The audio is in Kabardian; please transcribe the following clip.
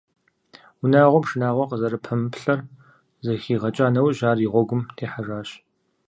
Унагъуэм шынагъуэ къызэрыпэмыплъэр зэхигъэкӀа нэужь ар и гъуэгум техьэжащ.